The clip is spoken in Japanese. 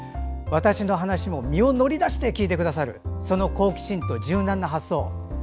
私の話も身を乗り出して聞いてくださるその好奇心と柔軟な発想。